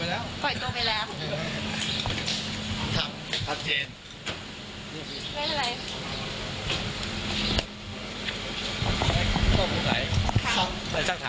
อ๋อเป็นยังไงบ้างคะ